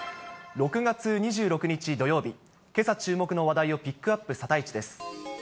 ６月２６日土曜日、けさ注目の話題をピックアップ、サタイチです。